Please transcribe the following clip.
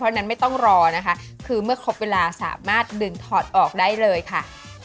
เพราะฉะนั้นไม่ต้องรอนะคะคือเมื่อครบเวลาสามารถดึงถอดออกได้เลยค่ะ